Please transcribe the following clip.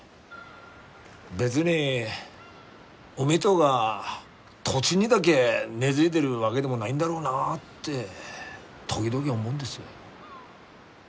別に海とが土地にだげ根づいでるわげでもないんだろうなって時々思うんです。